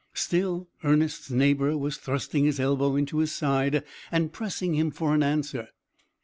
Still, Ernest's neighbour was thrusting his elbow into his side, and pressing him for an answer.